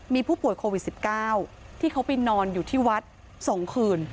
มีผู้ป่วยโควิด๑๙ที่เขาไปนอนอยู่ที่วัด๒คืน